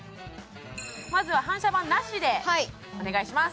まずは反射板なしでお願いします